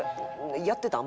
やってたん？